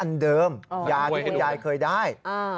อันเดิมยาที่คุณยายเคยได้